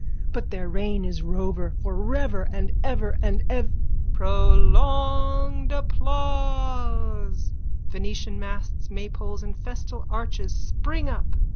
But their reign is rover for rever and ever and ev... _(Prolonged applause. Venetian masts, maypoles and festal arches spring up.